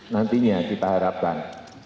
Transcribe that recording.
nantinya kita harapkan